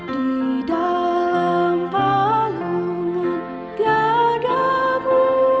di dalam palungan tiada buaya